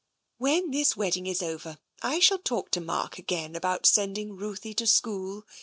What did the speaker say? *'When this wedding is over I shall talk to Mark again about sending Ruthie to school.